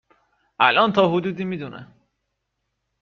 الان تا حدودی می دونه